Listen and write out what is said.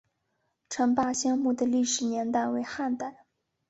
陈霸先墓的历史年代为汉代。